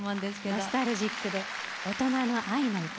ノスタルジックで大人の愛の歌。